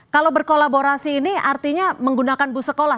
kalau berkolaborasi ini artinya menggunakan bus sekolah